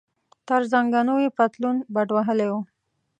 تر زنګنو یې پتلون بډ وهلی و.